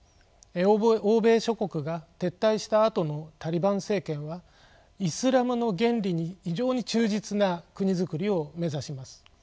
欧米諸国が撤退したあとのタリバン政権はイスラムの原理に非常に忠実な国づくりを目指します。